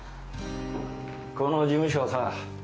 この事務所さ